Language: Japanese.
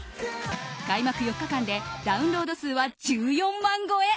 開幕４日間でダウンロード数は１４万超え。